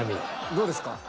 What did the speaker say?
どうですか？